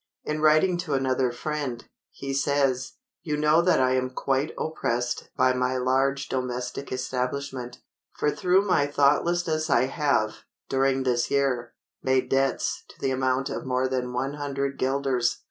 In writing to another friend, he says, "You know that I am quite oppressed by my large domestic establishment, for through my thoughtlessness I have, during this year, made debts to the amount of more than 100 guilders.